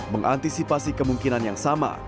mengantisipasi kemungkinan yang sama